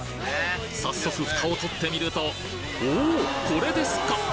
早速フタを取ってみるとおぉこれですか！